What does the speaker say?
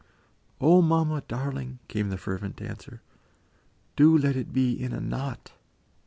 "O mamma, darling," came the fervent answer, "do let it be in a knot."